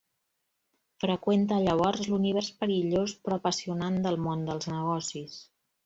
Freqüenta llavors l'univers perillós però apassionant del món dels negocis.